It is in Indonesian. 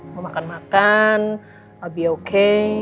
mau makan makan i'll be okay